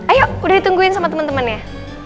ayo udah ditungguin sama temen temennya